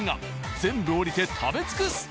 全部降りて食べ尽くす。